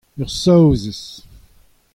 Ur Saozez.